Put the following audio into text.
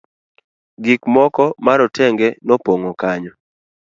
gik moko ma rotenge nopong'o kanyo